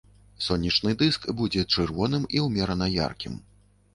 Сонечны дыск будзе чырвоным і ўмерана яркім.